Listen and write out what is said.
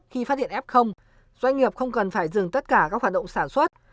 khi phát hiện f doanh nghiệp không cần phải dừng tất cả các hoạt động sản xuất